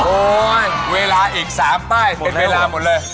โอ๊ยเวลาอีก๓ป้ายเป็นเวลาหมดเลย